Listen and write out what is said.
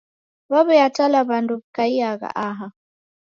W'aw'iatala w'andu w'ikaiagha aha.